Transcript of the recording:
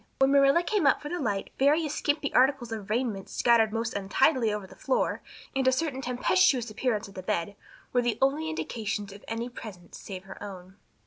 When Marilla came up for the light various skimpy articles of raiment scattered most untidily over the floor and a certain tempestuous appearance of the bed were the only indications of any presence save her own.